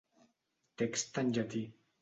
Text en llatí.